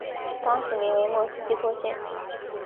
当时名为莫斯基托县。